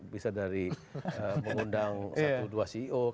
bisa dari mengundang satu dua ceo